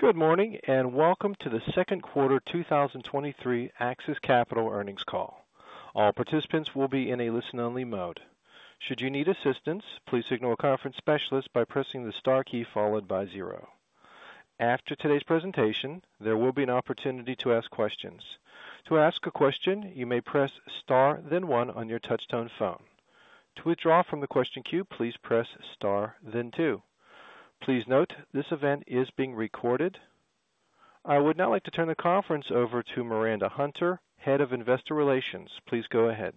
Good morning. Welcome to the Second Quarter 2023 AXIS Capital Earnings Call. All participants will be in a listen-only mode. Should you need assistance, please signal a conference specialist by pressing the star key followed by zero. After today's presentation, there will be an opportunity to ask questions. To ask a question, you may press star, then one on your touchtone phone. To withdraw from the question queue, please press star, then two. Please note, this event is being recorded. I would now like to turn the conference over to Miranda Hunter, Head of Investor Relations. Please go ahead.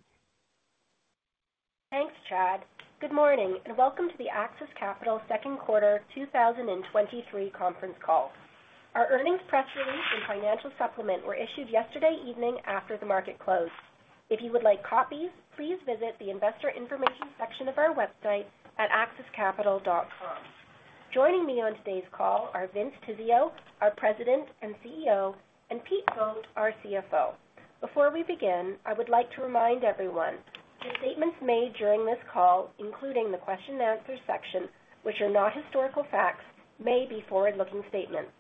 Thanks, Chad. Good morning, and welcome to the AXIS Capital Second Quarter 2023 Conference Call. Our earnings press release and financial supplement were issued yesterday evening after the market closed. If you would like copies, please visit the investor information section of our website at axiscapital.com. Joining me on today's call are Vince Tizzio, our President and CEO, and Pete Vogt, our CFO. Before we begin, I would like to remind everyone that statements made during this call, including the question and answer section, which are not historical facts, may be forward-looking statements.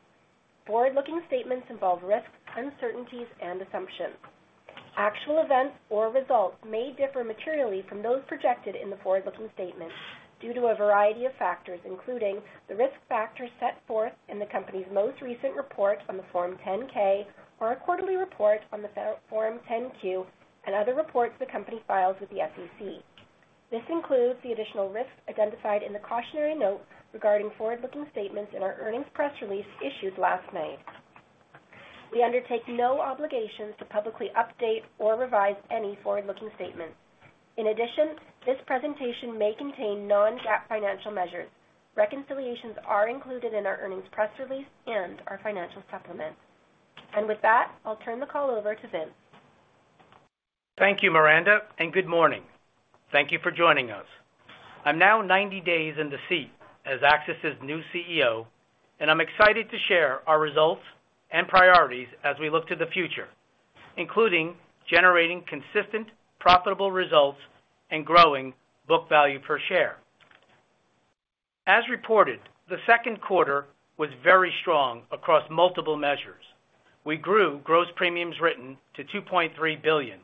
Forward-looking statements involve risks, uncertainties, and assumptions. Actual events or results may differ materially from those projected in the forward-looking statements due to a variety of factors, including the risk factors set forth in the company's most recent report on the Form 10-K or our quarterly report on the Form 10-Q and other reports the company files with the SEC. This includes the additional risks identified in the cautionary note regarding forward-looking statements in our earnings press release issued last night. We undertake no obligations to publicly update or revise any forward-looking statements. In addition, this presentation may contain non-GAAP financial measures. Reconciliations are included in our earnings press release and our financial supplement. With that, I'll turn the call over to Vince. Thank you, Miranda. Good morning. Thank you for joining us. I'm now 90 days in the seat as AXIS's new CEO, and I'm excited to share our results and priorities as we look to the future, including generating consistent, profitable results and growing book value per share. As reported, the second quarter was very strong across multiple measures. We grew gross premiums written to $2.3 billion,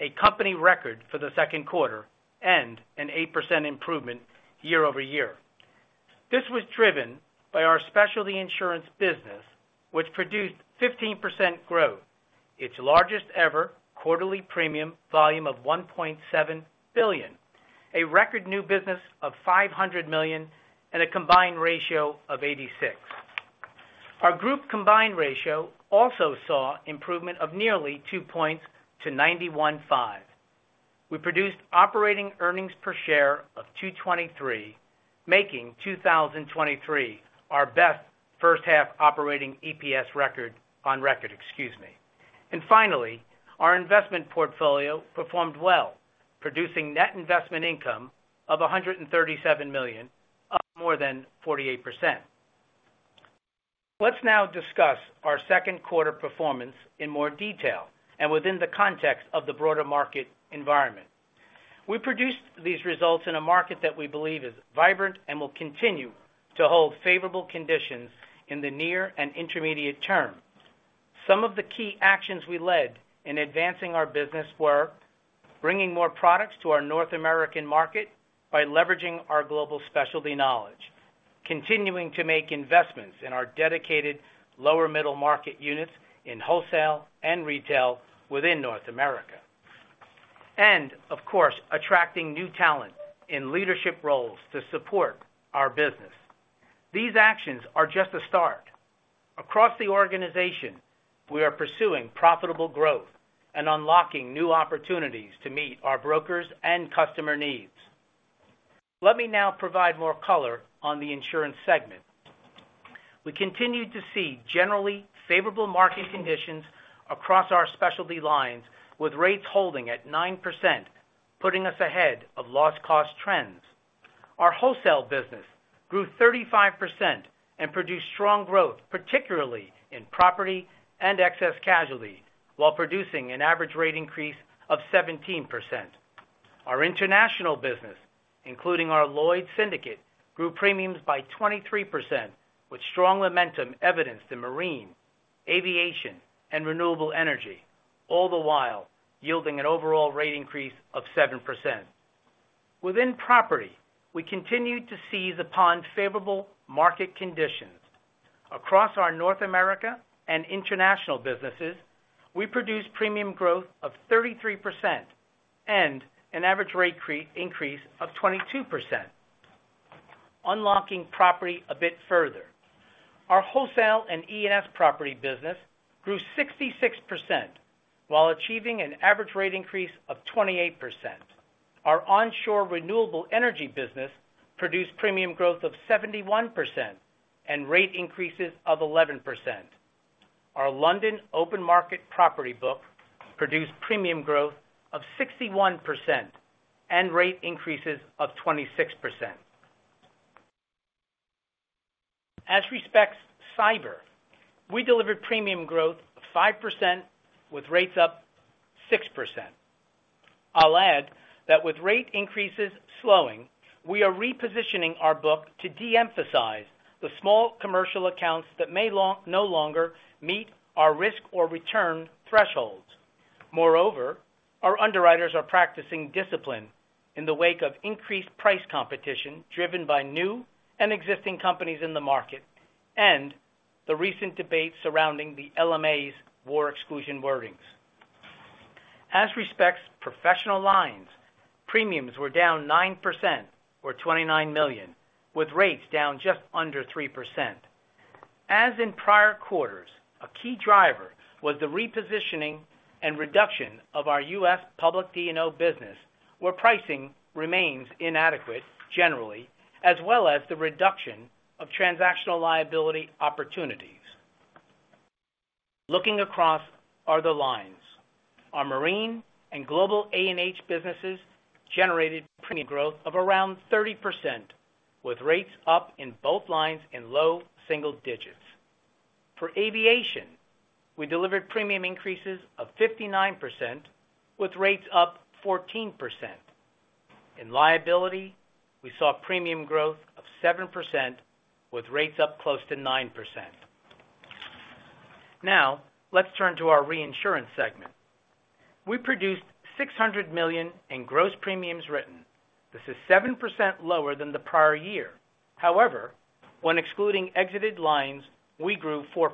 a company record for the second quarter and an 8% improvement year-over-year. This was driven by our specialty insurance business, which produced 15% growth, its largest ever quarterly premium volume of $1.7 billion, a record new business of $500 million, and a combined ratio of 86. Our group combined ratio also saw improvement of nearly 2 points to 91.5. We produced operating earnings per share of $2.23, making 2023 our best first half operating EPS record on record, excuse me. Finally, our investment portfolio performed well, producing net investment income of $137 million, up more than 48%. Let's now discuss our second quarter performance in more detail and within the context of the broader market environment. We produced these results in a market that we believe is vibrant and will continue to hold favorable conditions in the near and intermediate term. Some of the key actions we led in advancing our business were bringing more products to our North American market by leveraging our global specialty knowledge, continuing to make investments in our dedicated lower middle market units in wholesale and retail within North America, and of course, attracting new talent in leadership roles to support our business. These actions are just a start. Across the organization, we are pursuing profitable growth and unlocking new opportunities to meet our brokers' and customer needs. Let me now provide more color on the insurance segment. We continued to see generally favorable market conditions across our specialty lines, with rates holding at 9%, putting us ahead of loss cost trends. Our wholesale business grew 35% and produced strong growth, particularly in property and excess casualty, while producing an average rate increase of 17%. Our international business, including our Lloyd's Syndicate, grew premiums by 23%, with strong momentum evidenced in marine, aviation, and renewable energy, all the while yielding an overall rate increase of 7%. Within property, we continued to seize upon favorable market conditions. Across our North America and international businesses, we produced premium growth of 33% and an average rate increase of 22%. Unlocking property a bit further, our wholesale and E&S property business grew 66% while achieving an average rate increase of 28%. Our onshore renewable energy business produced premium growth of 71% and rate increases of 11%. Our London open market property book produced premium growth of 61% and rate increases of 26%. As respects cyber, we delivered premium growth of 5% with rates up 6%. I'll add that with rate increases slowing, we are repositioning our book to de-emphasize the small commercial accounts that may no longer meet our risk or return thresholds. Moreover, our underwriters are practicing discipline in the wake of increased price competition, driven by new and existing companies in the market, and the recent debate surrounding the LMA's war exclusion wordings. As respects professional lines, premiums were down 9% or $29 million, with rates down just under 3%. As in prior quarters, a key driver was the repositioning and reduction of our U.S. public D&O business, where pricing remains inadequate generally, as well as the reduction of transactional liability opportunities. Looking across other lines, our marine and global A&H businesses generated premium growth of around 30%, with rates up in both lines in low single digits. For aviation, we delivered premium increases of 59%, with rates up 14%. In liability, we saw premium growth of 7%, with rates up close to 9%. Now, let's turn to our reinsurance segment. We produced $600 million in gross premiums written. This is 7% lower than the prior year. However, when excluding exited lines, we grew 4%.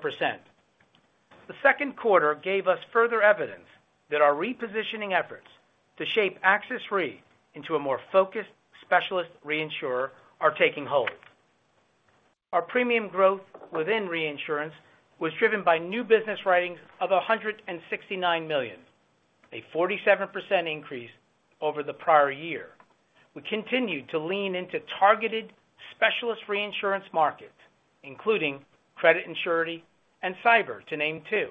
The second quarter gave us further evidence that our repositioning efforts to shape AXIS Re into a more focused specialist reinsurer are taking hold. Our premium growth within reinsurance was driven by new business writings of $169 million, a 47% increase over the prior year. We continued to lean into targeted specialist reinsurance markets, including credit and surety, and cyber, to name two.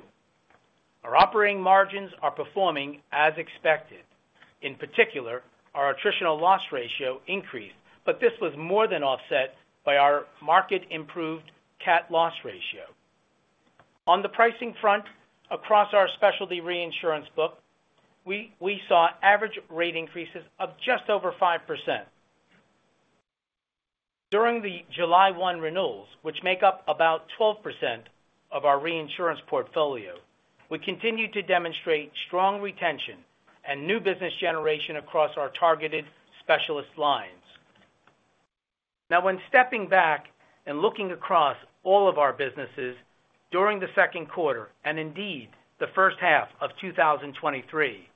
Our operating margins are performing as expected. In particular, our attritional loss ratio increased, but this was more than offset by our market-improved cat loss ratio. On the pricing front, across our specialty reinsurance book, we saw average rate increases of just over 5%. During the July 1 renewals, which make up about 12% of our reinsurance portfolio, we continued to demonstrate strong retention and new business generation across our targeted specialist lines. Now, when stepping back and looking across all of our businesses during the second quarter, and indeed, the first half of 2023,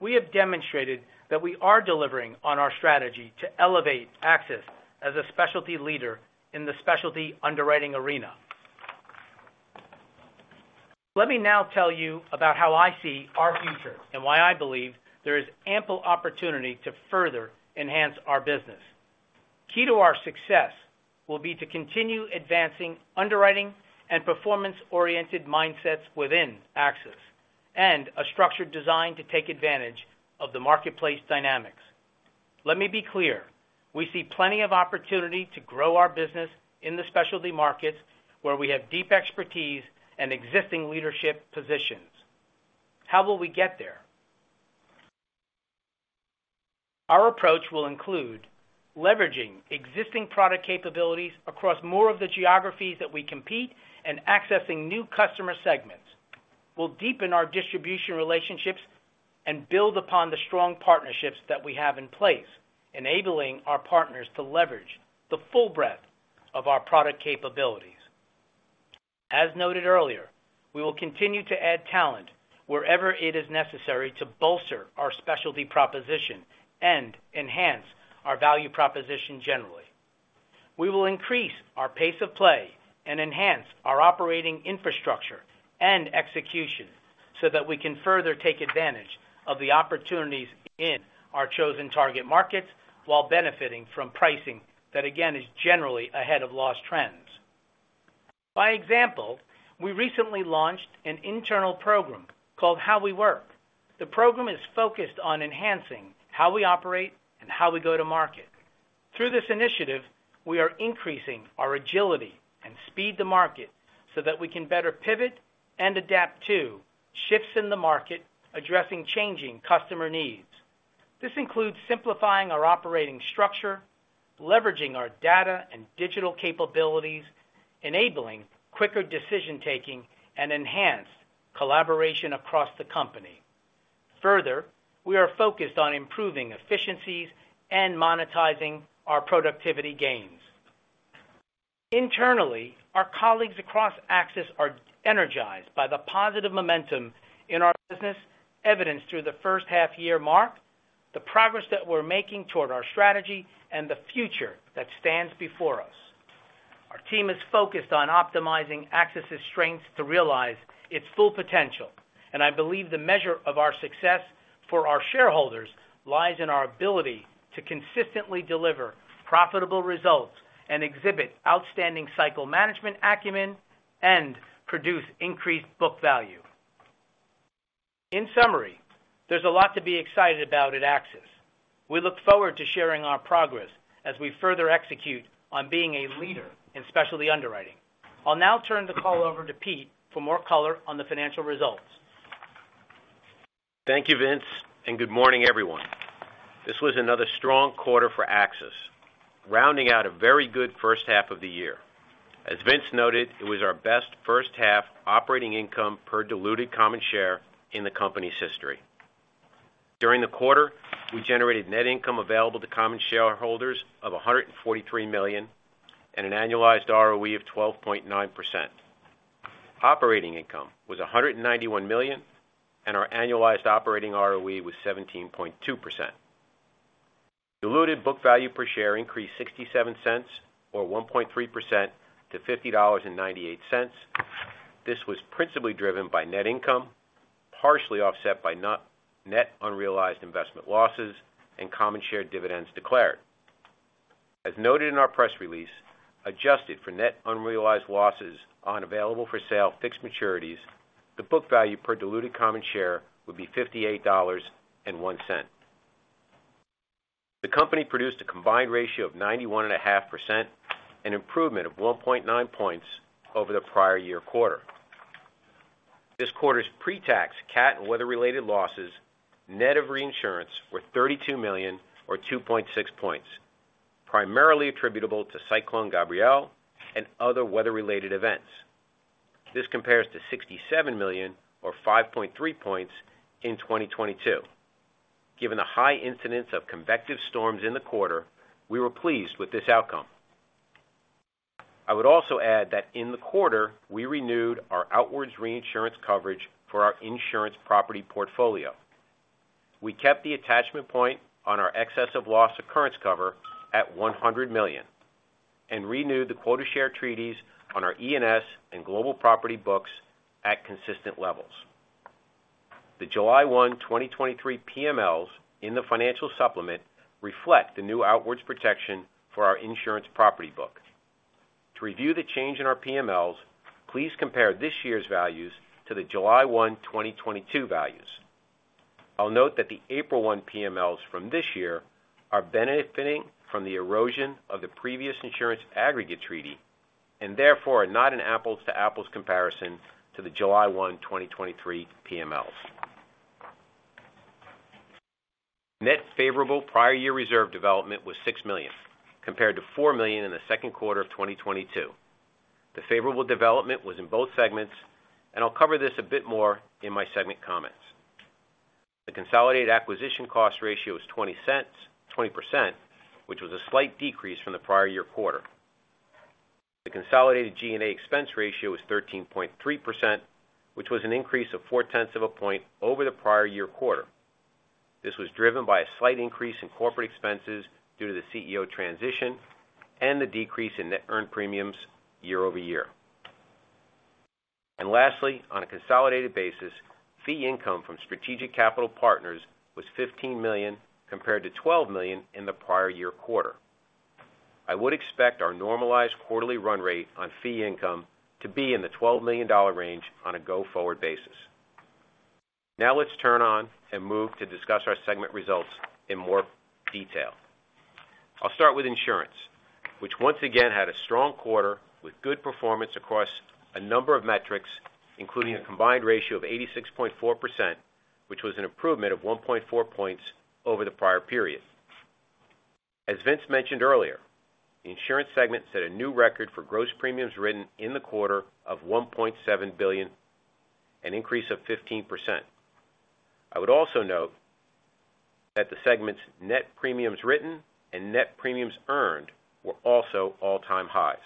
we have demonstrated that we are delivering on our strategy to elevate AXIS as a specialty leader in the specialty underwriting arena. Let me now tell you about how I see our future and why I believe there is ample opportunity to further enhance our business. Key to our success will be to continue advancing underwriting and performance-oriented mindsets within AXIS, and a structured design to take advantage of the marketplace dynamics. Let me be clear, we see plenty of opportunity to grow our business in the specialty markets, where we have deep expertise and existing leadership positions. How will we get there? Our approach will include leveraging existing product capabilities across more of the geographies that we compete, and accessing new customer segments. We'll deepen our distribution relationships and build upon the strong partnerships that we have in place, enabling our partners to leverage the full breadth of our product capabilities. As noted earlier, we will continue to add talent wherever it is necessary to bolster our specialty proposition and enhance our value proposition generally. We will increase our pace of play and enhance our operating infrastructure and execution, so that we can further take advantage of the opportunities in our chosen target markets while benefiting from pricing that, again, is generally ahead of loss trends. By example, we recently launched an internal program called How We Work. The program is focused on enhancing how we operate and how we go to market. Through this initiative, we are increasing our agility and speed to market so that we can better pivot and adapt to shifts in the market, addressing changing customer needs. This includes simplifying our operating structure, leveraging our data and digital capabilities, enabling quicker decision-taking, and enhanced collaboration across the company. Further, we are focused on improving efficiencies and monetizing our productivity gains. Internally, our colleagues across AXIS are energized by the positive momentum in our business, evidenced through the first half year mark, the progress that we're making toward our strategy, and the future that stands before us. Our team is focused on optimizing AXIS's strengths to realize its full potential. I believe the measure of our success for our shareholders lies in our ability to consistently deliver profitable results and exhibit outstanding cycle management acumen, and produce increased book value. In summary, there's a lot to be excited about at AXIS. We look forward to sharing our progress as we further execute on being a leader in specialty underwriting. I'll now turn the call over to Pete for more color on the financial results. Thank you, Vince, and good morning, everyone. This was another strong quarter for AXIS, rounding out a very good first half of the year. As Vince noted, it was our best first half operating income per diluted common share in the company's history. During the quarter, we generated net income available to common shareholders of $143 million, an annualized ROE of 12.9%. Operating income was $191 million, our annualized operating ROE was 17.2%. Diluted book value per share increased $0.67, or 1.3% to $50.98. This was principally driven by net income, partially offset by net unrealized investment losses and common share dividends declared. As noted in our press release, adjusted for net unrealized losses on available-for-sale fixed maturities, the book value per diluted common share would be $58.01. The company produced a combined ratio of 91.5%, an improvement of 1.9 points over the prior year quarter. This quarter's pre-tax cat and weather-related losses, net of reinsurance, were $32 million or 2.6 points, primarily attributable to Cyclone Gabrielle and other weather-related events. This compares to $67 million or 5.3 points in 2022. Given the high incidence of convective storms in the quarter, we were pleased with this outcome. I would also add that in the quarter, we renewed our outwards reinsurance coverage for our insurance property portfolio. We kept the attachment point on our excess of loss occurrence cover at $100 million, renewed the quota share treaties on our E&S and global property books at consistent levels. The July 1, 2023 PMLs in the financial supplement reflect the new outwards protection for our insurance property book. To review the change in our PMLs, please compare this year's values to the July 1, 2022 values. I'll note that the April 1 PMLs from this year are benefiting from the erosion of the previous insurance aggregate treaty, therefore, are not an apples-to-apples comparison to the July 1, 2023 PMLs. Net favorable prior year reserve development was $6 million, compared to $4 million in the second quarter of 2022. The favorable development was in both segments, I'll cover this a bit more in my segment comments. The consolidated acquisition cost ratio is 20%, which was a slight decrease from the prior year quarter. The consolidated G&A expense ratio is 13.3%, which was an increase of 0.4 of a point over the prior year quarter. This was driven by a slight increase in corporate expenses due to the CEO transition and the decrease in net earned premiums year-over-year. Lastly, on a consolidated basis, fee income from strategic capital partners was $15 million, compared to $12 million in the prior year quarter. I would expect our normalized quarterly run rate on fee income to be in the $12 million range on a go-forward basis. Let's turn on and move to discuss our segment results in more detail. I'll start with insurance, which once again, had a strong quarter with good performance across a number of metrics, including a combined ratio of 86.4%, which was an improvement of 1.4 points over the prior period. As Vince mentioned earlier, the insurance segment set a new record for gross premiums written in the quarter of $1.7 billion, an increase of 15%. I would also note that the segment's net premiums written and net premiums earned were also all-time highs.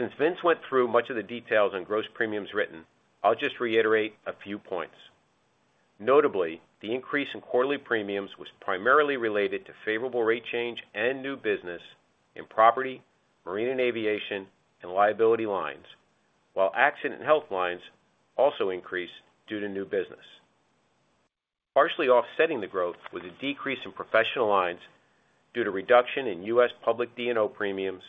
Since Vince went through much of the details on gross premiums written, I'll just reiterate a few points. Notably, the increase in quarterly premiums was primarily related to favorable rate change and new business in property, marine and aviation, and liability lines, while accident and health lines also increased due to new business. Partially offsetting the growth was a decrease in professional lines due to reduction in US public D&O premiums,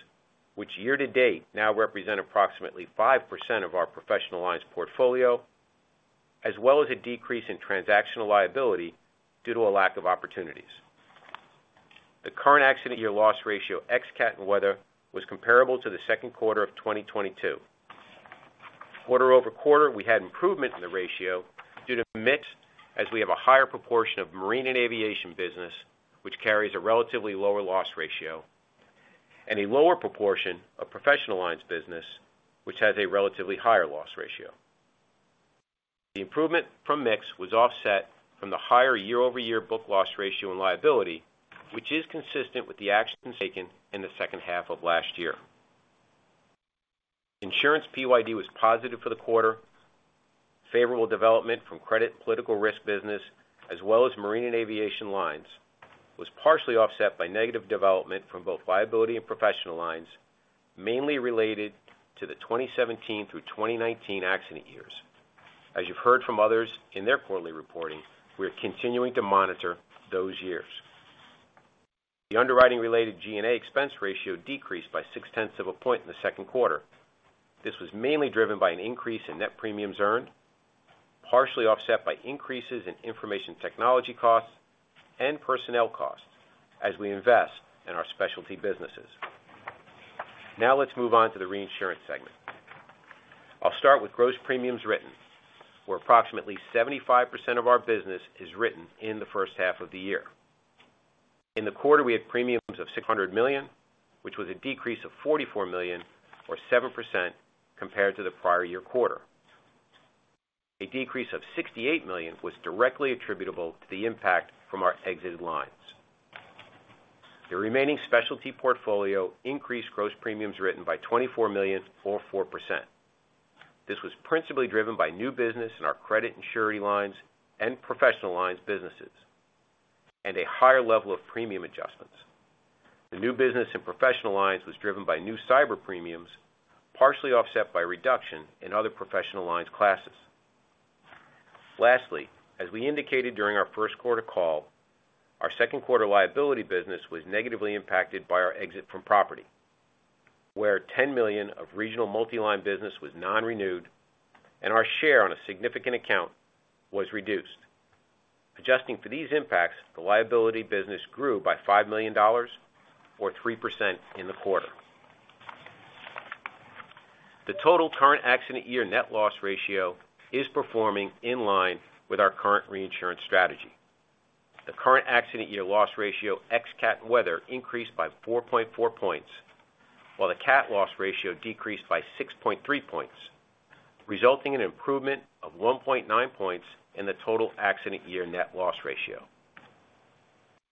which year-to-date, now represent approximately 5% of our professional lines portfolio, as well as a decrease in transactional liability due to a lack of opportunities. The current accident year loss ratio, ex cat and weather, was comparable to the second quarter of 2022. Quarter-over-quarter, we had improvement in the ratio due to mix, as we have a higher proportion of marine and aviation business, which carries a relatively lower loss ratio, and a lower proportion of professional lines business, which has a relatively higher loss ratio. The improvement from mix was offset from the higher year-over-year book loss ratio and liability, which is consistent with the actions taken in the second half of last year. Insurance PYD was positive for the quarter. Favorable development from credit and political risk business, as well as marine and aviation lines, was partially offset by negative development from both liability and professional lines, mainly related to the 2017 through 2019 accident years. As you've heard from others in their quarterly reporting, we are continuing to monitor those years... The underwriting-related G&A expense ratio decreased by 0.6 of a point in the second quarter. This was mainly driven by an increase in net premiums earned, partially offset by increases in information technology costs and personnel costs as we invest in our specialty businesses. Let's move on to the reinsurance segment. I'll start with gross premiums written, where approximately 75% of our business is written in the first half of the year. In the quarter, we had premiums of $600 million, which was a decrease of $44 million or 7% compared to the prior year quarter. A decrease of $68 million was directly attributable to the impact from our exited lines. The remaining specialty portfolio increased gross premiums written by $24 million or 4%. This was principally driven by new business in our credit and surety lines and professional lines businesses, and a higher level of premium adjustments. The new business in professional lines was driven by new cyber premiums, partially offset by reduction in other professional lines classes. Lastly, as we indicated during our first quarter call, our second quarter liability business was negatively impacted by our exit from property, where $10 million of regional multi-line business was non-renewed and our share on a significant account was reduced. Adjusting for these impacts, the liability business grew by $5 million or 3% in the quarter. The total current accident year net loss ratio is performing in line with our current reinsurance strategy. The current accident year loss ratio, ex cat and weather, increased by 4.4 points, while the cat loss ratio decreased by 6.3 points, resulting in an improvement of 1.9 points in the total accident year net loss ratio.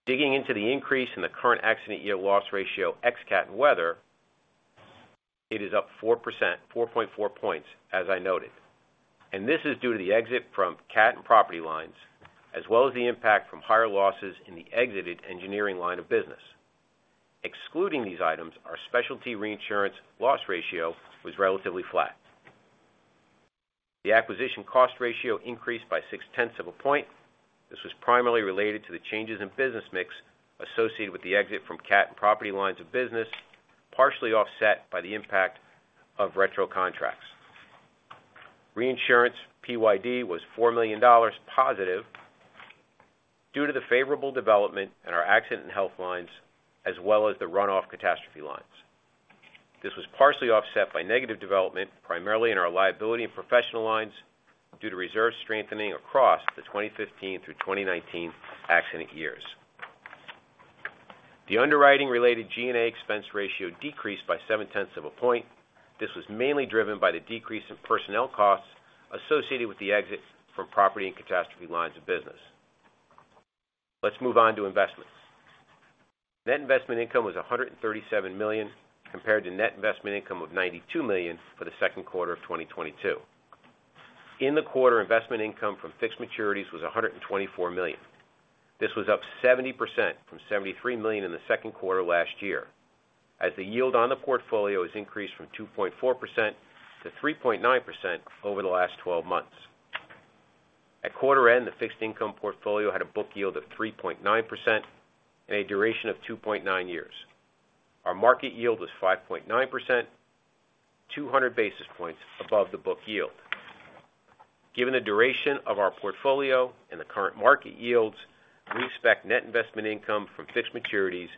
Digging into the increase in the current accident year loss ratio, ex cat and weather, it is up 4%, 4.4 points, as I noted. This is due to the exit from cat and property lines, as well as the impact from higher losses in the exited engineering line of business. Excluding these items, our specialty reinsurance loss ratio was relatively flat. The acquisition cost ratio increased by 0.6 of a point. This was primarily related to the changes in business mix associated with the exit from cat and property lines of business, partially offset by the impact of retro contracts. Reinsurance PYD was $4 million positive due to the favorable development in our accident and health lines, as well as the runoff catastrophe lines. This was partially offset by negative development, primarily in our liability and professional lines, due to reserve strengthening across the 2015 through 2019 accident years. The underwriting-related G&A expense ratio decreased by 0.7 of a point. This was mainly driven by the decrease in personnel costs associated with the exit from property and catastrophe lines of business. Let's move on to investments. Net investment income was $137 million, compared to net investment income of $92 million for the second quarter of 2022. In the quarter, investment income from fixed maturities was $124 million. This was up 70% from $73 million in the second quarter last year, as the yield on the portfolio has increased from 2.4%-3.9% over the last 12 months. At quarter end, the fixed income portfolio had a book yield of 3.9% and a duration of 2.9 years. Our market yield was 5.9%, 200 basis points above the book yield. Given the duration of our portfolio and the current market yields, we expect net investment income from fixed maturities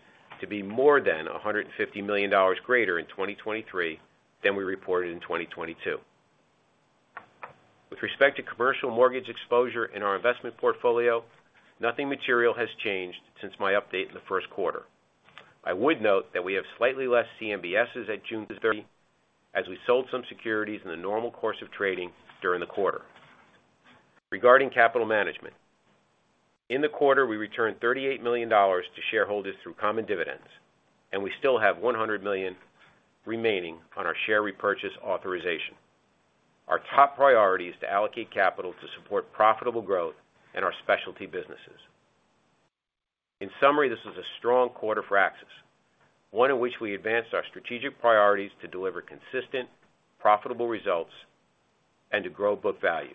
to be more than $150 million greater in 2023 than we reported in 2022. With respect to commercial mortgage exposure in our investment portfolio, nothing material has changed since my update in the first quarter. I would note that we have slightly less CMBSs at June 30, as we sold some securities in the normal course of trading during the quarter. Regarding capital management, in the quarter, we returned $38 million to shareholders through common dividends, and we still have $100 million remaining on our share repurchase authorization. Our top priority is to allocate capital to support profitable growth in our specialty businesses. In summary, this was a strong quarter for AXIS, one in which we advanced our strategic priorities to deliver consistent, profitable results and to grow book value.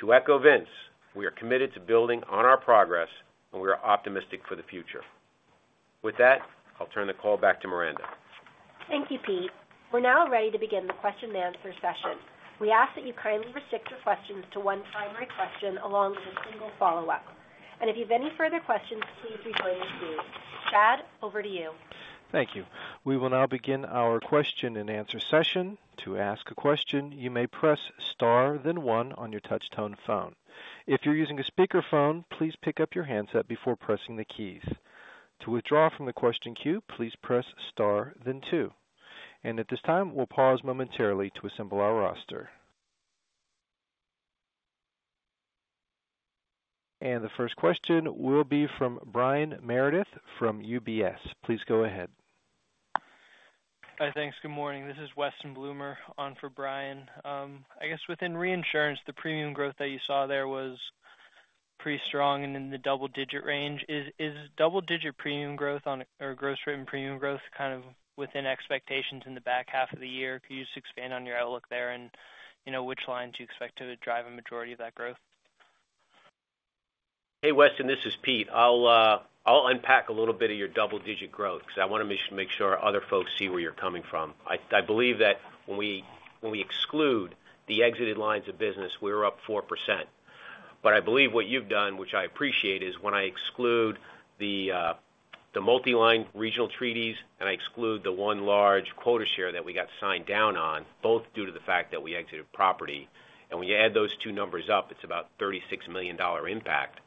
To echo Vince, we are committed to building on our progress, and we are optimistic for the future. With that, I'll turn the call back to Miranda. Thank you, Pete. We're now ready to begin the question and answer session. We ask that you kindly restrict your questions to one primary question, along with a single follow-up. If you have any further questions, please rejoin the queue. Chad, over to you. Thank you. We will now begin our question and answer session. To ask a question, you may press star then one on your touchtone phone. If you're using a speakerphone, please pick up your handset before pressing the keys. To withdraw from the question queue, please press star then two. At this time, we'll pause momentarily to assemble our roster. The first question will be from Brian Meredith from UBS. Please go ahead. Hi, thanks. Good morning. This is Weston Bloomer on for Brian. I guess within reinsurance, the premium growth that you saw there was pretty strong and in the double digit range. Is double digit premium growth or gross written premium growth kind of within expectations in the back half of the year? Could you just expand on your outlook there and, you know, which lines you expect to drive a majority of that growth? Hey, Weston, this is Pete. I'll unpack a little bit of your double-digit growth because I want to make sure other folks see where you're coming from. I, I believe that when we, when we exclude the exited lines of business, we're up 4%. I believe what you've done, which I appreciate, is when I exclude the multi-line regional treaties, and I exclude the one large quota share that we got signed down on, both due to the fact that we exited property, and when you add those two numbers up, it's about a $36 million impact.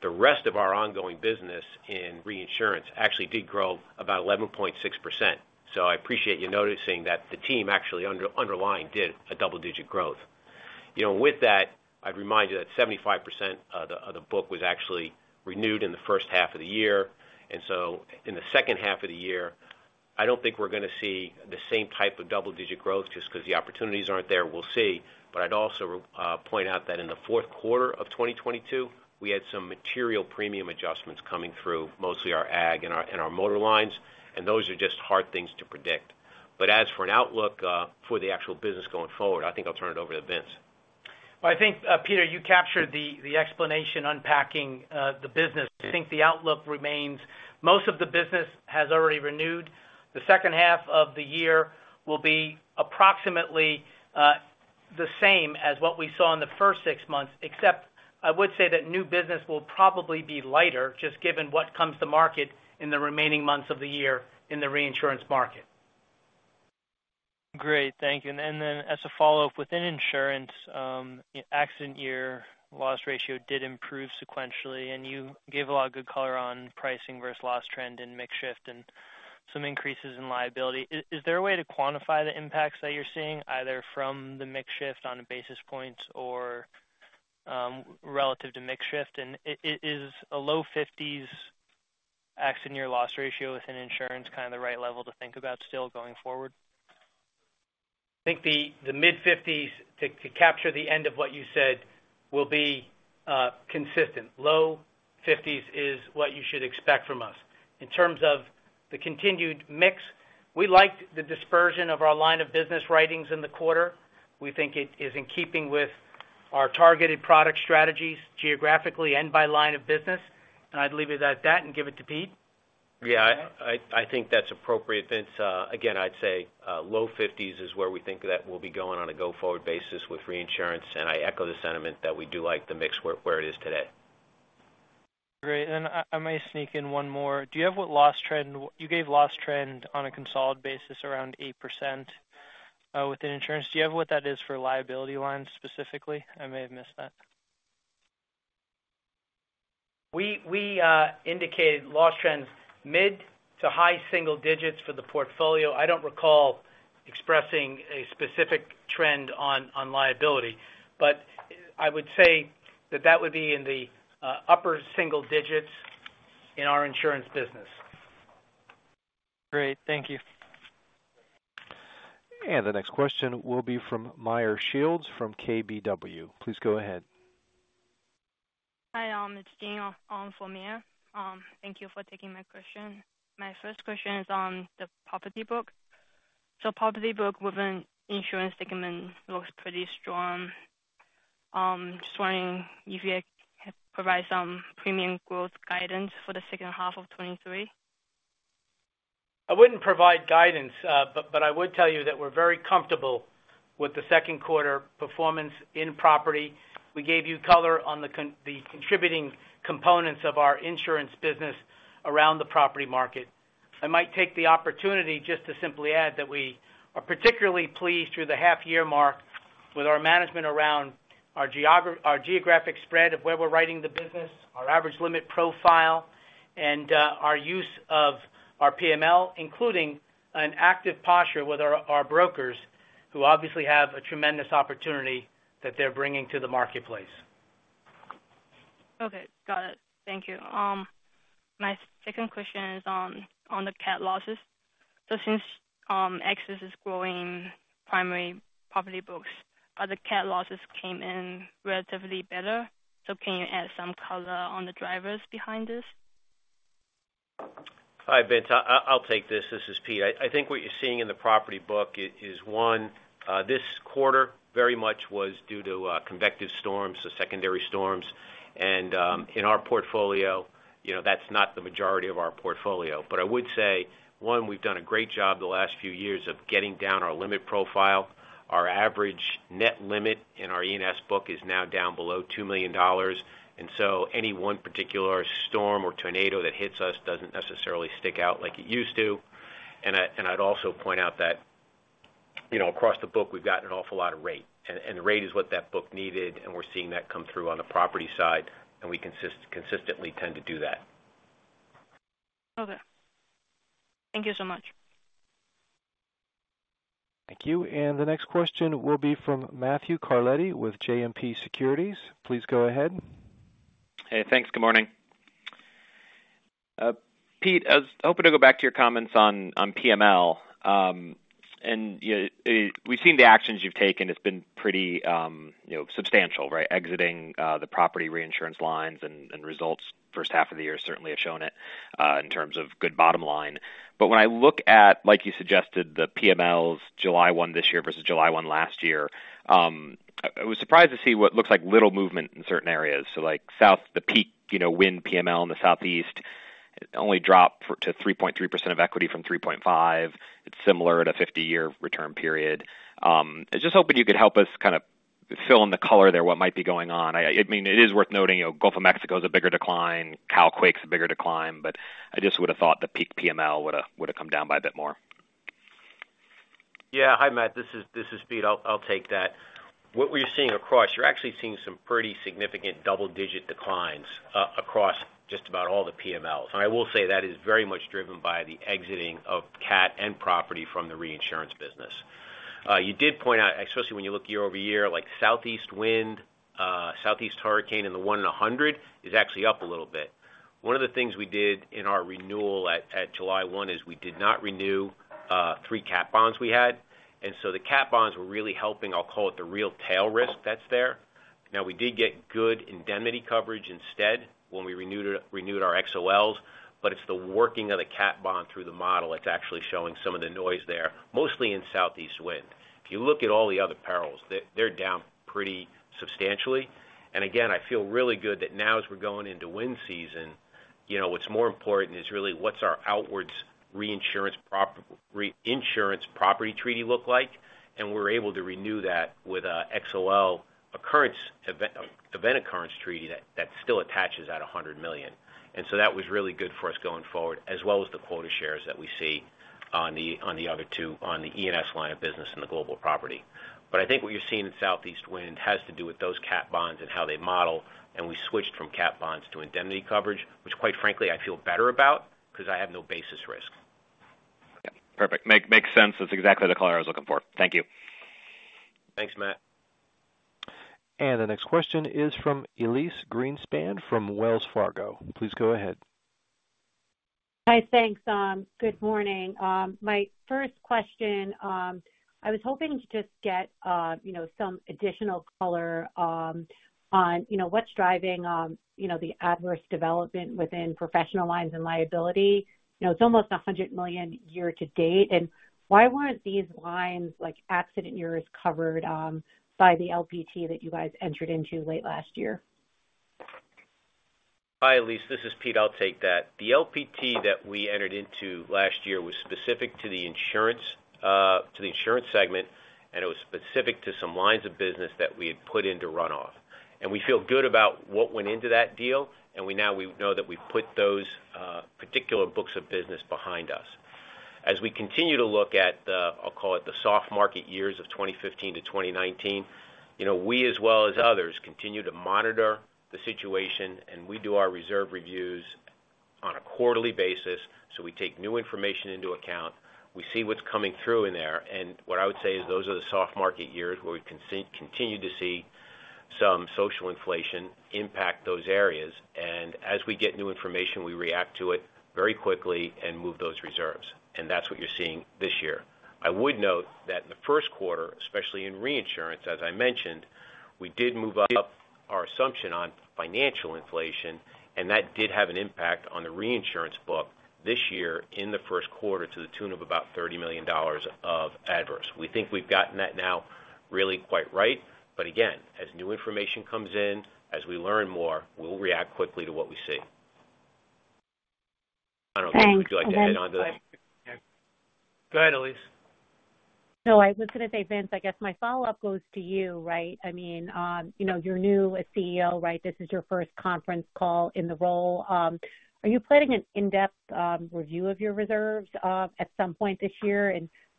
The rest of our ongoing business in reinsurance actually did grow about 11.6%. I appreciate you noticing that the team actually underlying did a double-digit growth. You know, with that, I'd remind you that 75% of the, of the book was actually renewed in the first half of the year, so in the second half of the year, I don't think we're going to see the same type of double-digit growth just 'cause the opportunities aren't there. We'll see. I'd also point out that in the fourth quarter of 2022, we had some material premium adjustments coming through, mostly our ag and our, and our motor lines, and those are just hard things to predict. As for an outlook for the actual business going forward, I think I'll turn it over to Vince. I think, Peter, you captured the explanation, unpacking the business. I think the outlook remains. Most of the business has already renewed. The second half of the year will be approximately the same as what we saw in the first six months, except I would say that new business will probably be lighter, just given what comes to market in the remaining months of the year in the reinsurance market. Great. Thank you. As a follow-up, within insurance, accident year loss ratio did improve sequentially, and you gave a lot of good color on pricing versus loss trend and mix shift and some increases in liability. Is, is there a way to quantify the impacts that you're seeing, either from the mix shift on a basis points or relative to mix shift? Is a low fifties accident year loss ratio within insurance, kind of the right level to think about still going forward? I think the mid-50s, to capture the end of what you said, will be consistent. Low 50s is what you should expect from us. In terms of the continued mix, we liked the dispersion of our line of business writings in the quarter. We think it is in keeping with our targeted product strategies geographically and by line of business, and I'd leave it at that and give it to Pete. Yeah, I, I think that's appropriate, Vince. Again, I'd say, low 50s is where we think that we'll be going on a go-forward basis with reinsurance, and I echo the sentiment that we do like the mix where, where it is today. Great. I, I might sneak in one more. Do you have what loss trend-- You gave loss trend on a consolidated basis around 8%, within insurance. Do you have what that is for liability lines specifically? I may have missed that. We, we, indicated loss trends mid to high single digits for the portfolio. I don't recall expressing a specific trend on, on liability, but I would say that that would be in the upper single digits in our insurance business. Great. Thank you. The next question will be from Meyer Shields from KBW. Please go ahead. Hi, it's Jean, from Meyer. Thank you for taking my question. My first question is on the property book. Property book within insurance segment looks pretty strong. Just wondering if you could provide some premium growth guidance for the second half of 2023. I wouldn't provide guidance, but I would tell you that we're very comfortable with the second quarter performance in property. We gave you color on the contributing components of our insurance business around the property market. I might take the opportunity just to simply add that we are particularly pleased through the half-year mark with our management around our geographic spread of where we're writing the business, our average limit profile, and our use of our PML, including an active posture with our brokers, who obviously have a tremendous opportunity that they're bringing to the marketplace. Okay, got it. Thank you. My second question is on, on the cat losses. Since AXIS is growing primary property books, are the cat losses came in relatively better? Can you add some color on the drivers behind this? Hi, Vince. I, I'll take this. This is Pete. I, I think what you're seeing in the property book is, is one, this quarter very much was due to, convective storms, the secondary storms. In our portfolio, you know, that's not the majority of our portfolio. I would say, one, we've done a great job the last few years of getting down our limit profile. Our average net limit in our E&S book is now down below $2 million, and so any one particular storm or tornado that hits us doesn't necessarily stick out like it used to. I, and I'd also point out that, you know, across the book, we've got an awful lot of rate, and, and rate is what that book needed, and we're seeing that come through on the property side, and we consistently tend to do that. Okay. Thank you so much. Thank you. The next question will be from Matthew Carletti with JMP Securities. Please go ahead. Hey, thanks. Good morning. Pete, I was hoping to go back to your comments on, on PML. We've seen the actions you've taken. It's been pretty, you know, substantial, right? Exiting the property reinsurance lines and, and results first half of the year certainly have shown it in terms of good bottom line. But when I look at, like you suggested, the PMLs, July 1 this year versus July 1 last year, I, I was surprised to see what looks like little movement in certain areas. So like Southeast, the peak, you know, wind PML in the Southeast.... It only dropped to 3.3% of equity from 3.5. It's similar at a 50-year return period. I was just hoping you could help us kind of fill in the color there, what might be going on. I, I mean, it is worth noting, you know, Gulf of Mexico is a bigger decline, Cal Quake's a bigger decline, but I just would've thought the peak PML would've come down by a bit more. Yeah. Hi, Matt. This is, this is Pete. I'll, I'll take that. What we're seeing across, you're actually seeing some pretty significant double-digit declines across just about all the PMLs. I will say that is very much driven by the exiting of cat and property from the reinsurance business. You did point out, especially when you look year-over-year, like Southeast Wind, Southeast Hurricane in the 1 in 100 is actually up a little bit. One of the things we did in our renewal at July 1 is we did not renew three cat bonds we had. The cat bonds were really helping, I'll call it the real tail risk that's there. We did get good indemnity coverage instead when we renewed our, renewed our XOLs, but it's the working of the cat bond through the model that's actually showing some of the noise there, mostly in Southeast Wind. If you look at all the other perils, they're, they're down pretty substantially. Again, I feel really good that now as we're going into wind season, you know, what's more important is really what's our outwards reinsurance property treaty look like, and we're able to renew that with a XOL occurrence event occurrence treaty that, that still attaches at $100 million. That was really good for us going forward, as well as the quota shares that we see on the, on the other two, on the E&S line of business and the global property. I think what you're seeing in Southeast Wind has to do with those cat bonds and how they model, and we switched from cat bonds to indemnity coverage, which quite frankly, I feel better about 'cause I have no basis risk. Yeah, perfect. Make, makes sense. That's exactly the color I was looking for. Thank you. Thanks, Matt. The next question is from Elyse Greenspan from Wells Fargo. Please go ahead. Hi, thanks. Good morning. My first question, I was hoping to just get, you know, some additional color, on, you know, what's driving, you know, the adverse development within professional lines and liability. You know, it's almost $100 million year to date. Why weren't these lines, like accident years, covered by the LPT that you guys entered into late last year? Hi, Elyse, this is Pete. I'll take that. The LPT that we entered into last year was specific to the insurance, to the insurance segment, and it was specific to some lines of business that we had put into runoff. We feel good about what went into that deal, and we now we know that we've put those particular books of business behind us. As we continue to look at the, I'll call it, the soft market years of 2015-2019, you know, we as well as others, continue to monitor the situation. We do our reserve reviews on a quarterly basis, so we take new information into account. We see what's coming through in there. What I would say is those are the soft market years where we continue to see some social inflation impact those areas. As we get new information, we react to it very quickly and move those reserves. That's what you're seeing this year. I would note that in the first quarter, especially in reinsurance, as I mentioned, we did move up our assumption on financial inflation, and that did have an impact on the reinsurance book this year in the first quarter to the tune of about $30 million of adverse. We think we've gotten that now really quite right. Again, as new information comes in, as we learn more, we'll react quickly to what we see. I don't know, would you like to add on to that? Thanks. Go ahead, Elise. No, I was going to say, Vince, I guess my follow-up goes to you, right? I mean, you know, you're new as CEO, right? This is your first conference call in the role. Are you planning an in-depth review of your reserves at some point this year?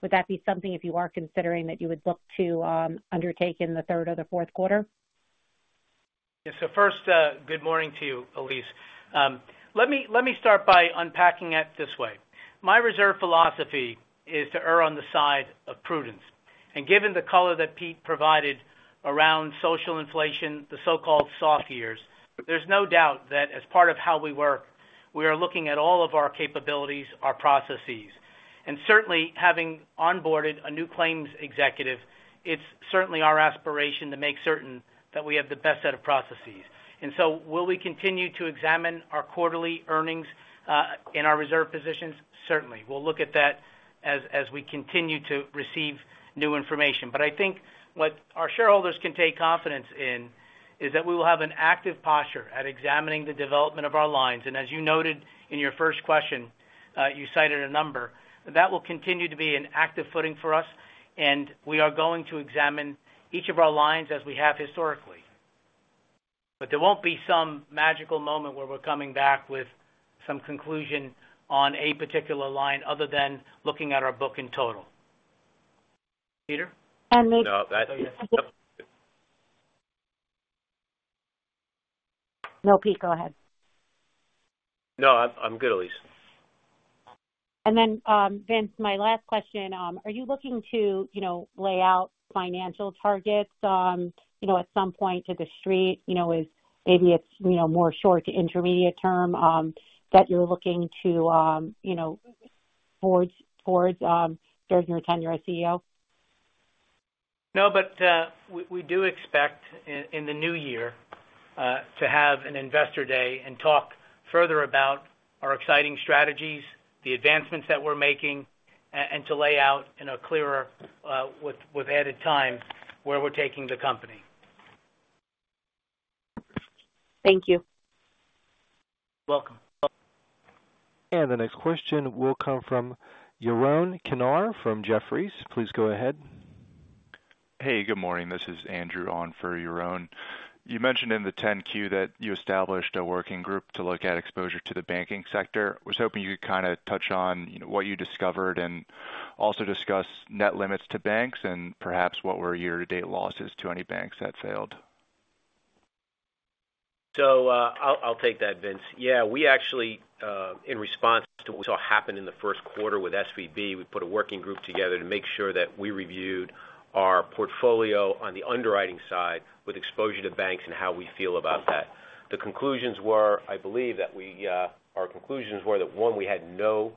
Would that be something, if you are considering, that you would look to undertake in the third or the fourth quarter? Yeah. First, good morning to you, Elise. Let me, let me start by unpacking it this way. My reserve philosophy is to err on the side of prudence. Given the color that Pete provided around social inflation, the so-called soft years, there's no doubt that as part of How We Work, we are looking at all of our capabilities, our processes, and certainly having onboarded a new claims executive, it's certainly our aspiration to make certain that we have the best set of processes. Will we continue to examine our quarterly earnings in our reserve positions? Certainly. We'll look at that as, as we continue to receive new information. I think what our shareholders can take confidence in is that we will have an active posture at examining the development of our lines. As you noted in your first question, you cited a number. That will continue to be an active footing for us, and we are going to examine each of our lines as we have historically. There won't be some magical moment where we're coming back with some conclusion on a particular line other than looking at our book in total. Peter? And then- No, that... Pete, go ahead. No, I'm, I'm good, Elise. Then, Vince, my last question: are you looking to, you know, lay out financial targets, you know, at some point to The Street? You know, is maybe it's, you know, more short to intermediate term, that you're looking to, you know, towards, towards, during your tenure as CEO? We, we do expect in, in the new year, to have an investor day and talk further about our exciting strategies, the advancements that we're making, and to lay out in a clearer, with, with added time, where we're taking the company. Thank you. Welcome. The next question will come from Yaron Kinar from Jefferies. Please go ahead. Hey, good morning. This is Andrew on for Yaron. You mentioned in the 10-Q that you established a working group to look at exposure to the banking sector. I was hoping you could kind of touch on what you discovered and also discuss net limits to banks and perhaps what were your year-to-date losses to any banks that failed? I'll, I'll take that, Vince. Yeah, we actually, in response to what happened in the first quarter with SVB, we put a working group together to make sure that we reviewed our portfolio on the underwriting side with exposure to banks and how we feel about that. The conclusions were, I believe, that we, our conclusions were that, one, we had no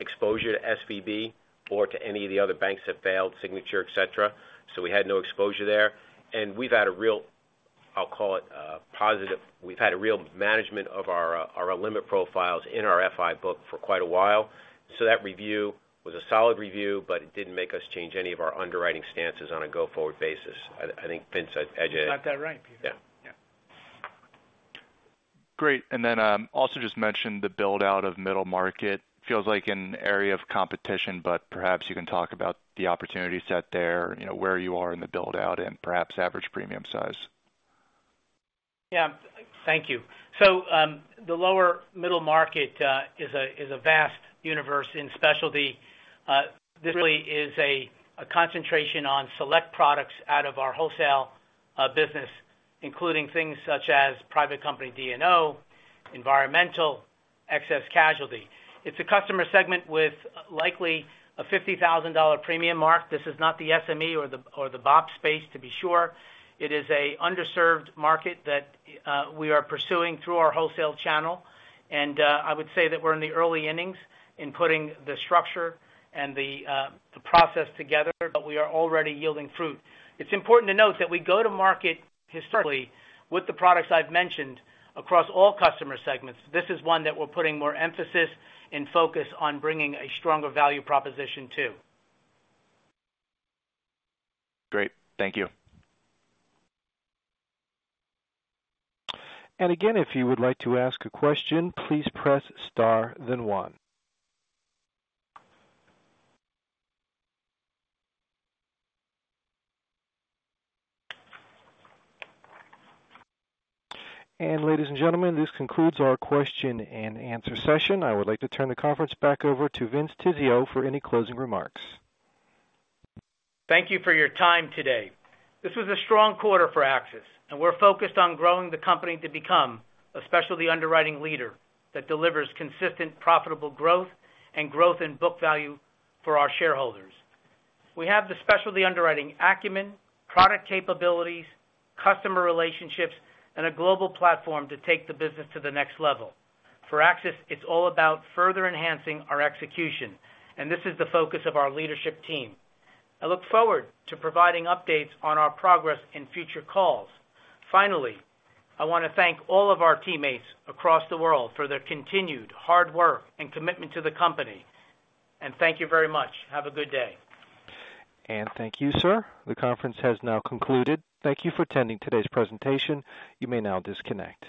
exposure to SVB or to any of the other banks that failed, Signature, et cetera. We had no exposure there, and we've had a real, I'll call it, positive. We've had a real management of our, our limit profiles in our FI book for quite a while. That review was a solid review, but it didn't make us change any of our underwriting stances on a go-forward basis. I, I think, Vince, I'd edge it- Got that right. Yeah. Yeah. Great. Also just mention the build-out of middle market. Feels like an area of competition, but perhaps you can talk about the opportunity set there, you know, where you are in the build-out and perhaps average premium size. Yeah. Thank you. The lower middle market is a vast universe in specialty. This really is a concentration on select products out of our wholesale business, including things such as private company D&O, environmental, excess casualty. It's a customer segment with likely a $50,000 premium mark. This is not the SME or the BOP space to be sure. It is an underserved market that we are pursuing through our wholesale channel, and I would say that we're in the early innings in putting the structure and the process together, but we are already yielding fruit. It's important to note that we go to market historically with the products I've mentioned across all customer segments. This is one that we're putting more emphasis and focus on bringing a stronger value proposition to. Great. Thank you. Again, if you would like to ask a question, please press star then one. Ladies and gentlemen, this concludes our question and answer session. I would like to turn the conference back over to Vincent Tizzio for any closing remarks. Thank you for your time today. This was a strong quarter for AXIS, and we're focused on growing the company to become a specialty underwriting leader that delivers consistent, profitable growth and growth in book value for our shareholders. We have the specialty underwriting acumen, product capabilities, customer relationships, and a global platform to take the business to the next level. For AXIS, it's all about further enhancing our execution, and this is the focus of our leadership team. I look forward to providing updates on our progress in future calls. Finally, I want to thank all of our teammates across the world for their continued hard work and commitment to the company. Thank you very much. Have a good day. Thank you, sir. The conference has now concluded. Thank you for attending today's presentation. You may now disconnect.